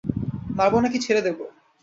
মারবো নাকি ছেড়ে দেব?